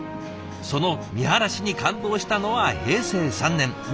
その見晴らしに感動したのは平成３年２５歳の時。